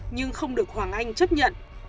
nhưng không được hoàng anh chấp nhận